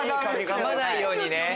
噛まないようにね。